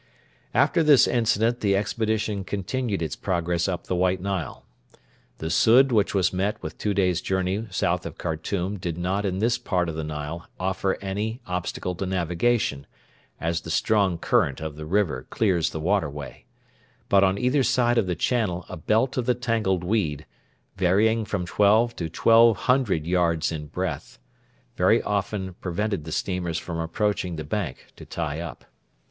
After this incident the expedition continued its progress up the White Nile. The sudd which was met with two days' journey south of Khartoum did not in this part of the Nile offer any obstacle to navigation, as the strong current of the river clears the waterway; but on either side of the channel a belt of the tangled weed, varying from twelve to twelve hundred yards in breadth, very often prevented the steamers from approaching the bank to tie up.